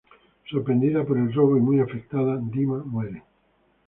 Sorprendida por el robo y muy afectada, Dima muere.